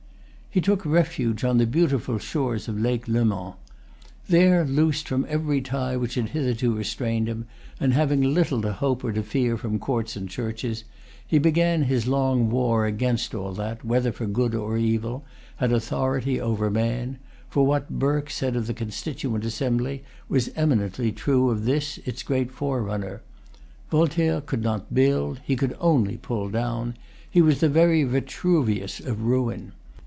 He took refuge on the beautiful shores of Lake Leman. There, loosed from every tie which had hitherto restrained him, and having little to hope or to fear from courts and churches, he began his long war against all that, whether for good or evil, had authority over man; for what Burke said of the Constituent Assembly was eminently true of this its great forerunner: Voltaire could not build; he could only pull down; he was the very Vitruvius of ruin.